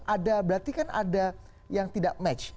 ada berarti kan ada yang tidak match